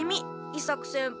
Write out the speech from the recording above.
伊作先輩